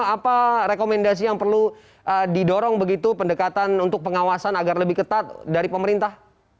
apa rekomendasi yang perlu didorong begitu pendekatan untuk pengawasan agar lebih ketat dari pemerintah